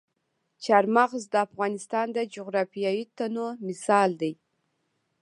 چار مغز د افغانستان د جغرافیوي تنوع مثال دی.